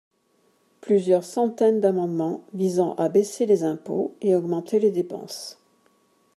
plusieurs centaines d’amendements visant à baisser les impôts et augmenter les dépenses.